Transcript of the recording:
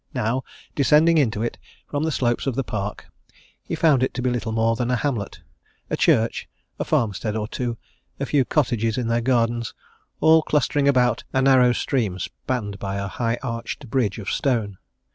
Now, descending into it from the slopes of the park, he found it to be little more than a hamlet a church, a farmstead or two, a few cottages in their gardens, all clustering about a narrow stream spanned by a high arched bridge of stone.